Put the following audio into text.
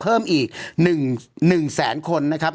เพิ่มอีก๑แสนคนนะครับ